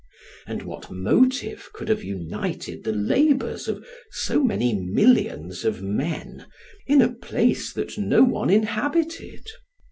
And what motive could have united the labors of so many millions of men, in a place that no one inhabited?